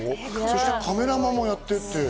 そしてカメラマンもやってる。